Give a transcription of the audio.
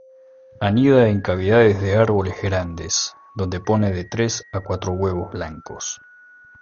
Anida en cavidades de árboles grandes, donde pone de tres a cuatro huevos blancos.